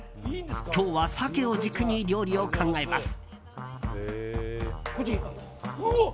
今日はサケを軸に料理を考えます。